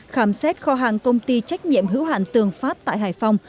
khám xét kho hàng công ty trách nhiệm hữu hạn tường phát tại hải phòng